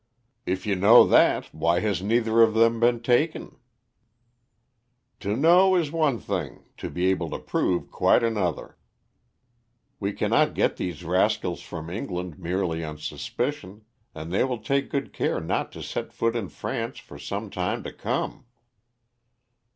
"If you know that, why has neither of them been taken?" "To know is one thing; to be able to prove quite another. We cannot get these rascals from England merely on suspicion, and they will take good care not to set foot in France for some time to come."